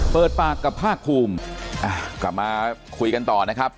เปิดปากกับภาคภูมิกลับมาคุยกันต่อนะครับ